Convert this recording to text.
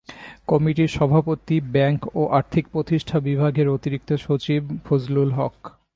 কমিটির সভাপতি ব্যাংক ও আর্থিক প্রতিষ্ঠান বিভাগের অতিরিক্ত সচিব ফজলুল হক।